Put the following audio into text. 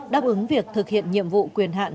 đáp ứng việc thực hiện nhiệm vụ quyền hạn